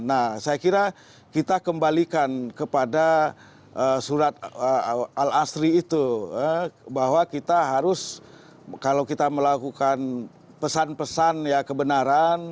nah saya kira kita kembalikan kepada surat al asri itu bahwa kita harus kalau kita melakukan pesan pesan ya kebenaran